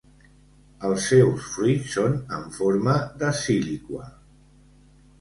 Els seus fruits són en forma de síliqua.